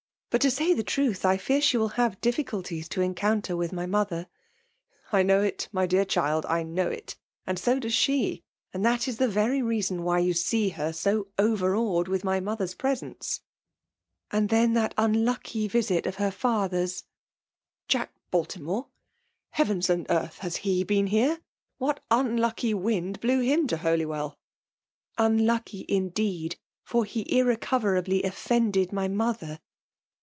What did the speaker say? " But to say the truth, I fear she will have difficulties to encounter with my mother." '' I know it, my dear child — I know it — and no does she ; and that is the very reason why you see her so overawed in my mother's pre^ sence." «« And then that unlucky visit of her fa«^ thersP' VUUALB DOMINATION. 247 '* Jack Baltimore ? Heavens and earth ! Haft he been here ? What unhicky wind blew him to Holywell?'* '* Unlucky> indeed ; for he has irrecoverably offended my mother.